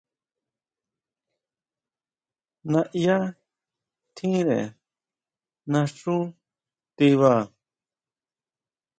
Naʼyá tjínre naxú tiba.